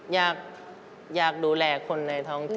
อยากดูแลคนในท้องที่